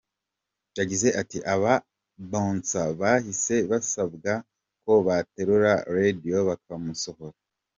Yagize ati “Aba-bouncers bahise basabwa ko baterura Radio bakamusohora.